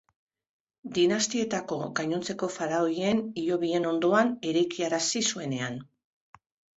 Dinastietako gainontzeko faraoien hilobien ondoan eraikiarazi zuenean.